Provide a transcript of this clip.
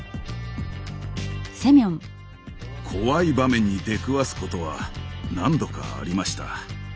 怖い場面に出くわすことは何度かありました。